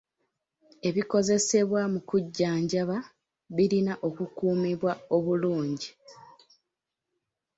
Ebikozesebwa mu kujjanjaba birina okukuumibwa obulungi